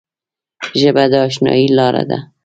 ژبه د اشنايي لاره ده